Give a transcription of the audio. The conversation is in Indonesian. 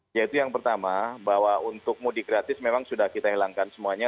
yaitu yang pertama bahwa untuk mudik gratis memang sudah kita hilangkan semuanya